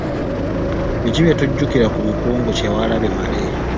Biki bye tujjukira ku Mukungu Kyewalabye Male?